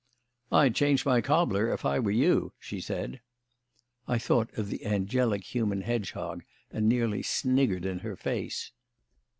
"I'd change my cobbler if I were you," she said. I thought of the "angelic human hedgehog," and nearly sniggered in her face.